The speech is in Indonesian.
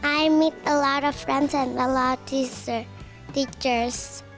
saya bertemu banyak teman dan banyak guru guru